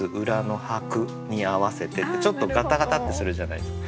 「に合わせて」ってちょっとガタガタってするじゃないですか。